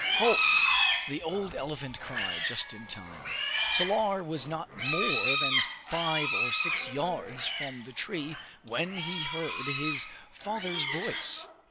"Halt!" the old elephant cried, just in time. Salar was not more than five or six yards from the tree when he heard his father's voice.